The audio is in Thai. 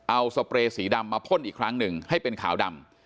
เอาสเปรย์สีดำมาพ่นอีกครั้งหนึ่งให้เป็นขาวดำ